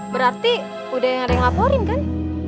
berarti udah yang ada yang laporin kan